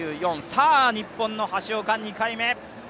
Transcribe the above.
さあ、日本の橋岡２回目。